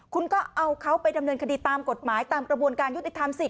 คุณก็เอาเขาไปดำเนินคดีตามกฎหมายตามกระบวนการยุติธรรมสิ